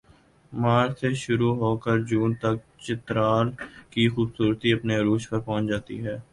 مارچ سے شروع ہوکر جون تک چترال کی خوبصورتی اپنے عروج پر پہنچ جاتی ہے